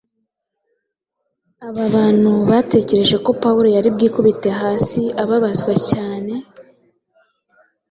abo bantu bategereje ko Pawulo ari bwikubite hasi ababazwa cyane.